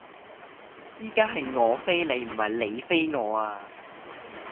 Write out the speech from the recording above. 而家係我飛你,唔係你飛我呀